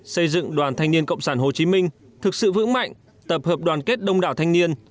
xây dựng đoàn thanh niên cộng sản hồ chí minh thực sự vững mạnh tập hợp đoàn kết đông đảo thanh niên